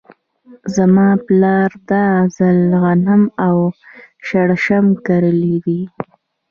زما پلار دا ځل غنم او شړشم کرلي دي .